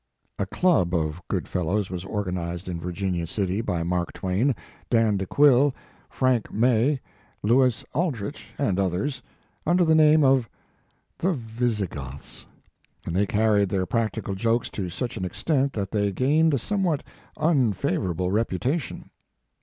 A club of good fellows was organized in Virginia City by Mark Twain, Dan De Quille, Frank May, Louis Aldrich and others, under the name of the " Vis igoths," and they carried their practical jokes to such an extent that they gained a somewhat unfavorable reputation.